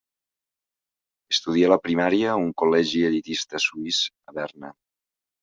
Estudià la primària a un col·legi elitista suís, a Berna.